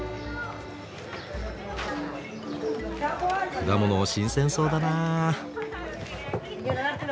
果物新鮮そうだな。